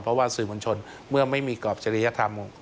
เพราะว่าสื่อมวลชนเมื่อไม่มีกรอบจริยธรรม